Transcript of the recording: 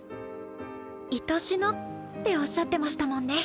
愛しのっておっしゃってましたもんね。